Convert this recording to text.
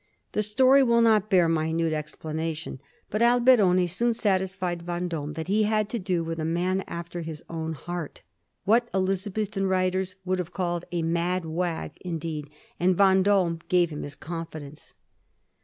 The story will not bear minute explanation, but Alberoni soon' satisfied Vend&me that he had to do with a man after his own heart, what Elizabethan writera would have called a * mad wag ' indeed, and Ven d6me gave him his confidence.